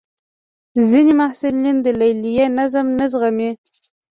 ځینې محصلین د لیلیې نظم نه زغمي.